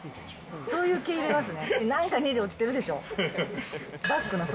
そういう系入れますね。